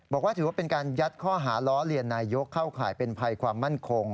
บอกว่าถือว่าเป็นการยัดข้อหาล้อเลียนนายกเข้าข่ายเป็นภัยความมั่นคง